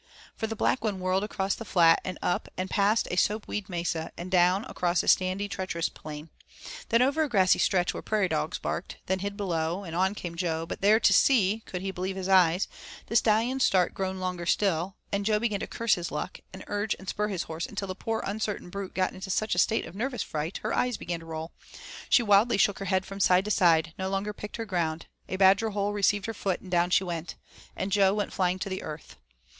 For the Black One whirled across the flat and up and passed a soap weed mesa and down across a sandy treacherous plain, then over a grassy stretch where prairie dogs barked, then hid below, and on came Jo, but there to see, could he believe his eyes, the Stallion's start grown longer still, and Jo began to curse his luck, and urge and spur his horse until the poor uncertain brute got into such a state of nervous fright, her eyes began to roll, she wildly shook her head from side to side, no longer picked her ground a badger hole received her foot and down she went, and Jo went flying to the earth.